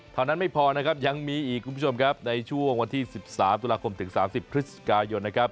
เท่านั้นไม่พอนะครับยังมีอีกคุณผู้ชมครับในช่วงวันที่๑๓ตุลาคมถึง๓๐พฤศจิกายนนะครับ